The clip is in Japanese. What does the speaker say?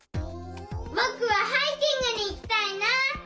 ぼくはハイキングにいきたいな！